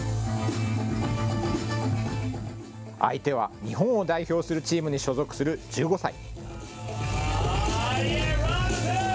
相手は日本を代表するチームに所属する１５歳。